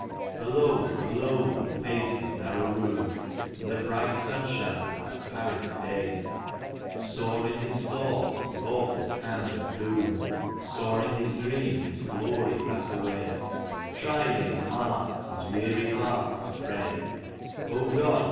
Alone, alone he paced his narrow room, In the bright sunshine of that Paris day; Saw in his thought the awful hand of doom; Saw in his dream his glory pass away; Tried in his heart, his weary heart, to pray: " God